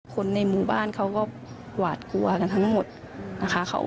คนในหมู่บ้านเขาก็หวาดกลัวกันทั้งหมดนะคะ